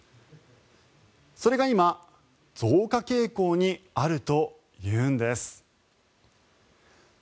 それが今増加傾向にあるというんです。